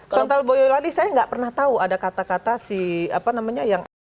soal boyo lali saya nggak pernah tahu ada kata kata si apa namanya yang